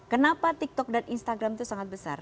kenapa tiktok dan instagram itu sangat besar